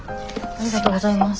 ありがとうございます。